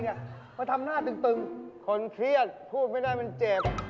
เพราะทำหน้าตึงคนเครียดพูดไม่ได้มันเจ็บ